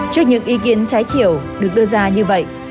trước những ý kiến trái chiều được đưa ra như vậy